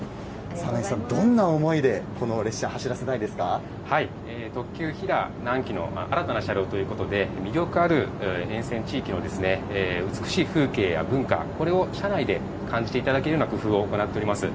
讃井さん、どんな思いでこの列車、特急ひだ、南紀の新たな車両ということで、魅力ある沿線地域の美しい風景や文化、これを車内で感じていただけるような工夫を行っております。